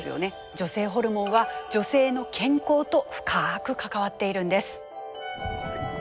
女性ホルモンは女性の健康と深く関わっているんです。